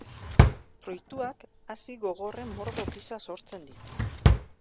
Fruituak hazi gogorren mordo gisa sortzen ditu.